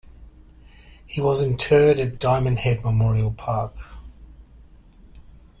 He was interred at Diamond Head Memorial Park.